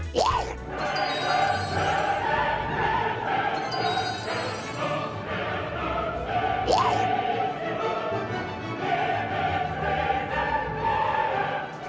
ใช่ครับ